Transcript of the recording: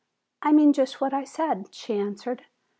"I mean just what I said," she answered.